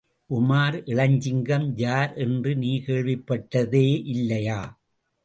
உமார் இளஞ்சிங்கம் யார் என்று நீ கேள்விப்பட்டதே இல்லையா?